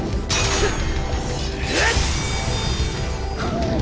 くっ！